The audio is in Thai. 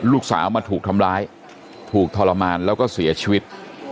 ลูกสาวมาถูกทำร้ายถูกทรมานแล้วก็เสียชีวิต